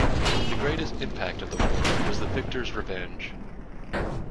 The greatest impact of the war was the victor's revenge.